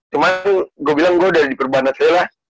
cuman gue bilang gue udah di perbanas itu lah